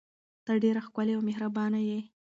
ته ډیره ښکلې او مهربانه یې.